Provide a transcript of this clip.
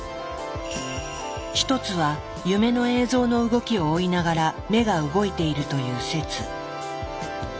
一つは夢の映像の動きを追いながら目が動いているという説。